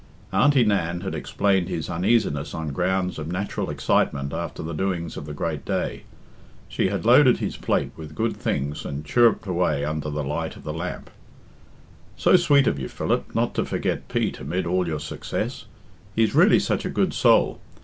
Auntie Nan had explained his uneasiness on grounds of natural excitement after the doings of the great day. She had loaded his plate with good things, and chirruped away under the light of the lamp. "So sweet of you, Philip, not to forget Pete amid all your success. He's really such a good soul.